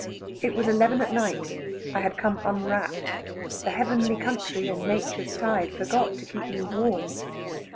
It was eleven at night. I had come unwrapped; the heavenly country and nature's tide forgot to keep me warm.